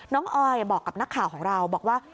ออยบอกกับนักข่าวของเราบอกว่า